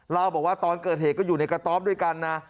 เล่าบอกว่าตอนเกิดเหตุก็อยู่ในกระต๊อบด้วยกันนะ